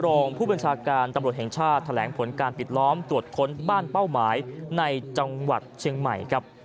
รองผู้บัญชาการตำรวจแห่งชาติแถลงผลการปิดล้อมตรวจค้นบ้านเป้าหมายในจังหวัดเชียงใหม่ครับ